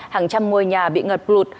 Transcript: hàng trăm ngôi nhà bị ngập lụt